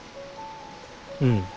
うん。